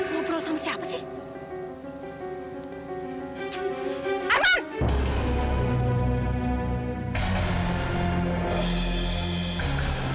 ngobrol sama siapa sih